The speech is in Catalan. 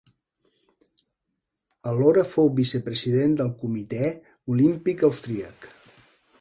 Alhora fou vicepresident del Comitè Olímpic Austríac.